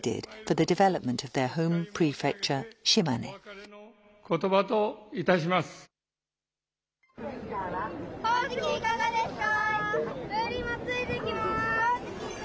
ほおずき、いかがですか？